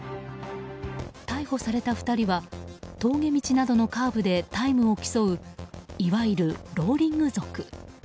逮捕された２人は峠道などのカーブでタイムを競ういわゆるローリング族。